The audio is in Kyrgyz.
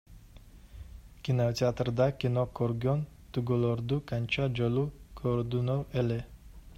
Кинотеатрда кино көргөн түгөйлөрдү канча жолу көрдүңөр эле?